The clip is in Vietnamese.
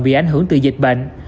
bị ảnh hưởng từ dịch bệnh